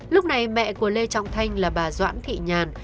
lúc này mẹ của lê trọng thanh là bà doãn thị nhàn